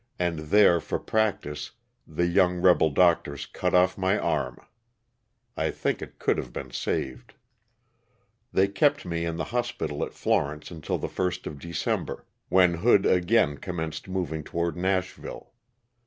and there, for prac tice, the young rebel doctors cut off my arm ; I think it could have been saved. They kept me in the hospital at Florence until the 1st of December, when Hood again commenced mov 21 162 LOSS OF THE SULTANA. ing toward Nashville.